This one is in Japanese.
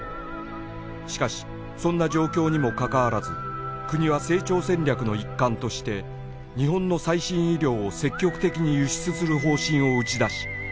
しかしそんな状況にもかかわらず国は成長戦略の一環として日本の最新医療を積極的に輸出する方針を打ち出し